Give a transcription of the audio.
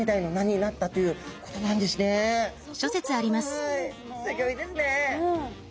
はいすギョいですね。